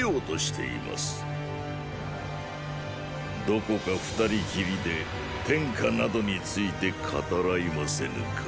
どこか二人きりで“天下”などについて語らいませぬか。